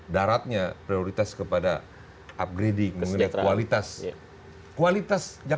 daratnya prioritas kepada upgrading mengenai kualitas